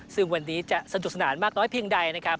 ซึ่งวันนี้จะสนุกสนานมากน้อยเพียงใดนะครับ